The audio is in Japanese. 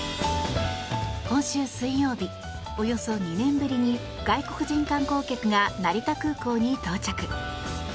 今週水曜日、およそ２年ぶりに外国人観光客が成田空港に到着。